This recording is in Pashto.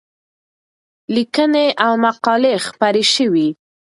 لیکنې او مقالې خپرې شوې.